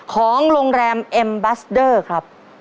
ของโรงแรมเอ็มบัสเดอร์ครับ